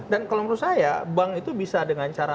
dan kalau menurut saya bank itu bisa dengan cara